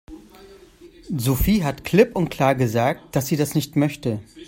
Sophie hat klipp und klar gesagt, dass sie das nicht möchte.